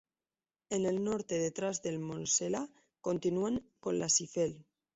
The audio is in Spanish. En el norte detrás del Mosela continúan con las Eifel.